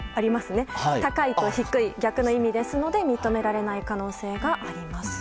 高いと低い、逆の意味なので認められない可能性があります。